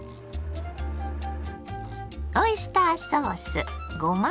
オイスターソースごま